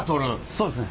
そうですね。